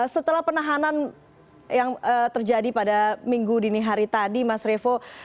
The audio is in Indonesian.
setelah penahanan yang terjadi pada minggu dini hari tadi mas revo